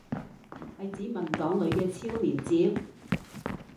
係指文檔裏嘅超連接？